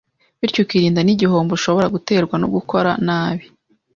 bityo ukirinda n’igihombo ushobora guterwa no gukora nabi